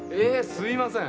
すいません。